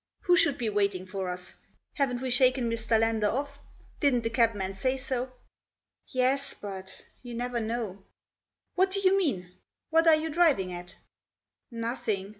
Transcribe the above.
" Who should be waiting for us ? Haven't we shaken Mr. Lander off? Didn't the cabman say so ?"" Yes. But — you never know." " What do you mean ? What are you driving at ?"" Nothing.